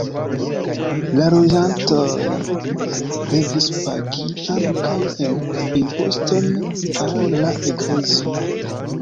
La loĝantoj devis pagi ankaŭ imposton al la eklezio.